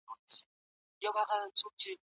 که استثناوي په نظر کي ونیسو او د افغانستان د